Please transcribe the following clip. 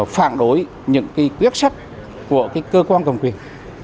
phản đối những cái quyết sách của cái cơ quan cầm quyền